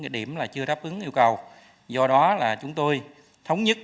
điều hai mươi chín quy định